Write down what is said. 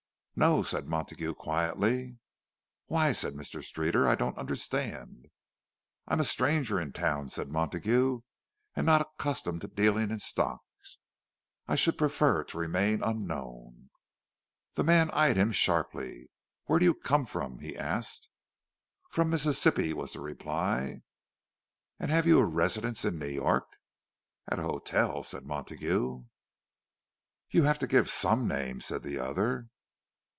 "No," said Montague quietly. "Why?"—said Mr. Streeter—"I don't understand—" "I am a stranger in town," said Montague, "and not accustomed to dealing in stocks. I should prefer to remain unknown." The man eyed him sharply. "Where do you come from?" he asked. "From Mississippi," was the reply. "And have you a residence in New York?" "At a hotel," said Montague. "You have to give some name," said the other.